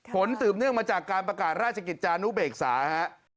สืบเนื่องมาจากการประกาศราชกิจจานุเบกษาฮะ